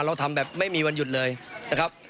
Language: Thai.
เราทำแบบไม่มีวันหยุดเลยนะครับ